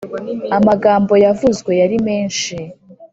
amagambo yavuzwe yari menshi